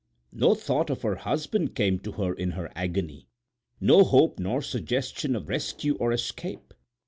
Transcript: No thought of her husband came to her in her agony—no hope nor suggestion of rescue or escape.